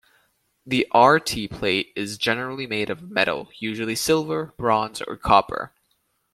The aarti plate is generally made of metal, usually silver, bronze or copper.